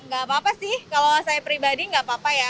gak apa apa sih kalau saya pribadi nggak apa apa ya